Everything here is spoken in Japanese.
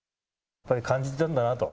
やっぱり、感じてるんだなと。